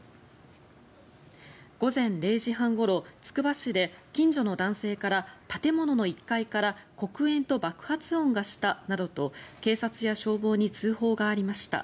午前０時半ごろ、つくば市で近所の男性から建物の１階から黒煙と爆発音がしたなどと警察や消防に通報がありました。